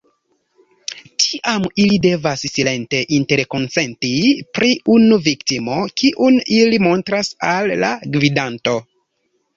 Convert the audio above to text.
Tiam, ili devas silente interkonsenti pri unu viktimo, kiun ili montras al la gvidanto.